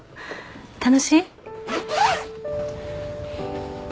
楽しい？